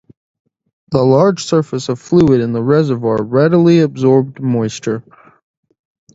The large surface of the fluid in the reservoir readily absorbed moisture.